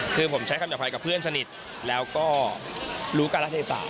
คือผมใช้คำหยาภัยกับเพื่อนสนิทแล้วก็รู้การรัฐเทศาส